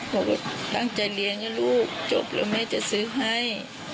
เขาก็ตั้งใจเลี้ยงนะลูกจบแล้วแม่จะซื้อให้